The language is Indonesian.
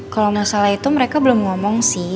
kalau masalah itu mereka belum ngomong sih